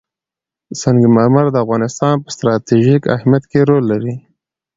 سنگ مرمر د افغانستان په ستراتیژیک اهمیت کې رول لري.